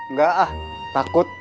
enggak ah takut